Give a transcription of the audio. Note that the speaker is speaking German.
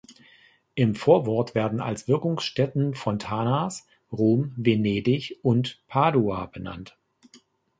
Im Vorwort werden als Wirkungsstätten Fontanas Rom, Venedig und Padua benannt.